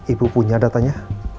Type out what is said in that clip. ibu punya datanya